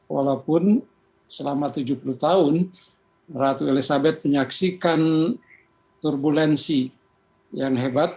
walaupun selama tujuh puluh tahun ratu elizabeth menyaksikan turbulensi yang hebat